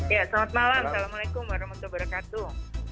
ya selamat malam assalamualaikum warahmatullahi wabarakatuh